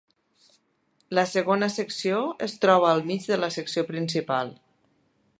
La segona secció es troba al mig de la secció principal.